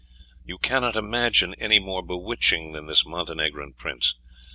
You cannot image any one more bewitching than this Montenegrin prince.